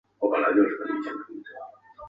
以北宋时的饶洞天为始祖。